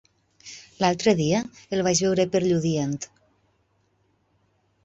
L'altre dia el vaig veure per Lludient.